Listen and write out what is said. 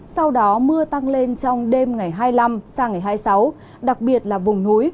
sau đó mưa tăng lên trong đêm ngày hai mươi năm sang ngày hai mươi sáu đặc biệt là vùng núi